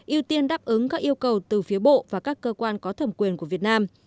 ưu tiên đáp ứng các yêu cầu từ phía bộ và các cơ quan có thẩm quyền của việt nam